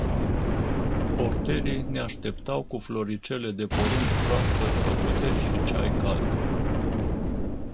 Porterii ne așteptau cu floricele de porumb proaspăt făcute și ceai cald.